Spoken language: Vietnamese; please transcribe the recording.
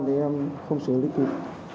thì em không xử lý kịp